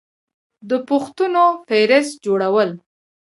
د پوښتنو فهرست جوړول